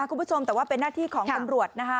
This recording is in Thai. คุณผู้ชมแต่ว่าเป็นหน้าที่ของกังวด